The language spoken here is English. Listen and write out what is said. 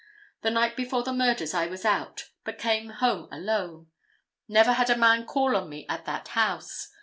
The night before the murders I was out, but came home alone. Never had a man call on me at that house.